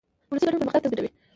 ولسي ګډون پرمختګ تضمینوي.